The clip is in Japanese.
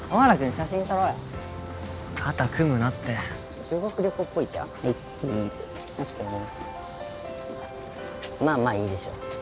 写真撮ろうよ肩組むなって修学旅行っぽいじゃんはいチーズＯＫまあまあいいでしょう